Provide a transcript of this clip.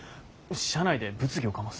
社内で物議を醸す。